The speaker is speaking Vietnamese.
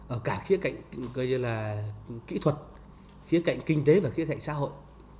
ở cả khía cạnh kỹ thuật khía cạnh kinh tế và khía cạnh xã hội